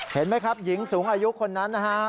เห็นไหมครับหญิงสูงอายุคนนั้นนะครับ